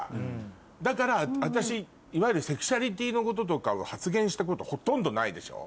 だから私いわゆるセクシャリティーのこととかは発言したことほとんどないでしょ？